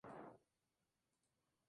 Situada en medio de la provincia.